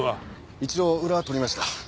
一応裏は取りました。